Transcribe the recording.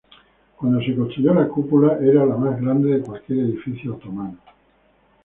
Cuando se construyó la cúpula era la más grande de cualquier edificio otomano.